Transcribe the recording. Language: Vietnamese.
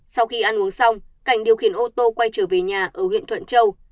sau khi ăn uống xong cảnh điều khiển ô tô quay trở về nhà ở huyện thuận châu